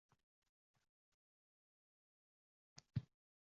— Faqat, gap shu yerda qoladi.